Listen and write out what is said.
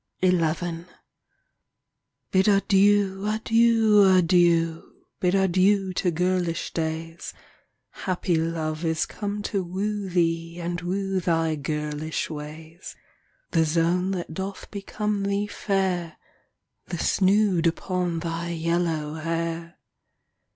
XI Bid adieu, adieu, adieu, Bid adieu to girlish days, Happy Love is come to woo Thee and woo thy girlish ways — The zone that doth become thee fair, The snood upon thy yellow hair.